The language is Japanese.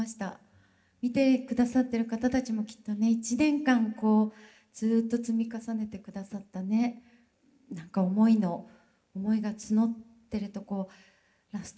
見てくださってる方たちもきっとね１年間ずっと積み重ねてくださった何か思いが募ってるとラストシーンも本当にね。